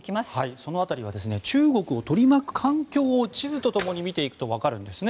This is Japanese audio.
その辺りは中国を取り巻く環境を地図とともに見ていくとわかるんですね。